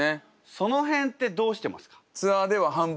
その辺ってどうしてますか？